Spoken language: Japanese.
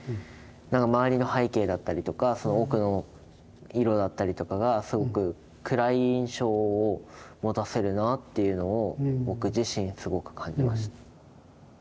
周りの背景だったりとか奥の色だったりとかがすごく暗い印象を持たせるなっていうのを僕自身すごく感じました。